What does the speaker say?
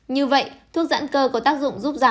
như vậy thuốc giảm cơ có tác dụng giúp giảm cơ